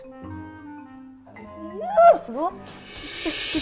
bangun nanti aku nungguin